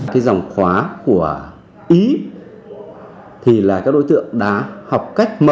cái dòng khóa của ý thì là các đối tượng đã học cách